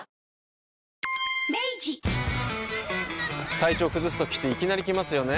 体調崩すときっていきなり来ますよね。